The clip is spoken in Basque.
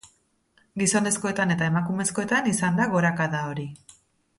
Gizonezkoetan eta emakumezkoetan izan da gorakada hori.